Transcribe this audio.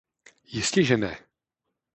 Jistěže ne!